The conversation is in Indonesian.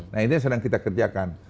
nah ini yang sedang kita kerjakan